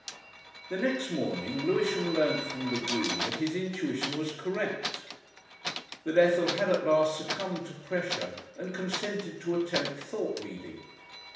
The next morning Lewisham learnt from Lagune that his intuition was correct, that Ethel had at last succumbed to pressure and consented to attempt thought reading.